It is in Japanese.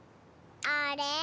あれ？